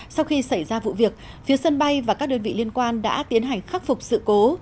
sau khi xảy ra vụ việc phía sân bay và các đơn vị liên quan đã tiến hành khắc phục sự cố